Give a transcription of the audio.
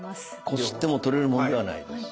こすっても取れるものではないです